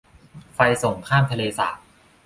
ไฟส่งข้ามทะเลสาบ